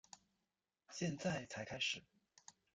现在才开始